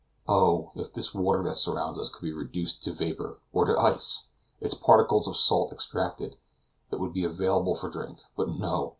Oh! if this water that surrounds us could be reduced to vapor or to ice! its particles of salt extracted, it would be available for drink. But no!